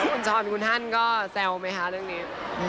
คุณช้อนคุณฮันก็แซวไหมคะเรื่องนี้